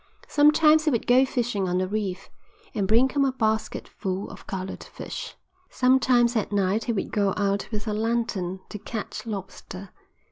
Sometimes he would go fishing on the reef, and bring home a basket full of coloured fish. Sometimes at night he would go out with a lantern to catch lobster.